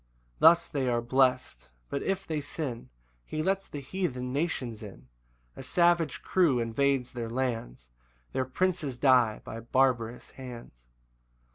5 Thus they are blest; but if they sin, He lets the heathen nations in, A savage crew invades their lands, Their princes die by barbarous hands.